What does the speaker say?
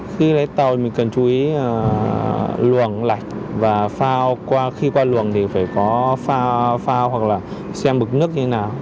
khi lấy tàu mình cần chú ý luồng lạch và phao qua khi qua luồng thì phải có phao hoặc là xem bực nước như thế nào